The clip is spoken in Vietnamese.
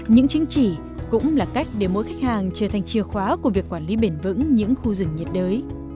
những chứng chỉ cũng là cách để mỗi khách hàng trở thành chìa khóa của việc quản lý bền vững những khu rừng nhiệt đới